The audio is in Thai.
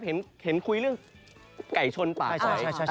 เห็นคุยเรื่องไก่ชนป่าใส